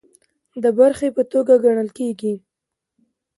د برخې په توګه ګڼل کیږي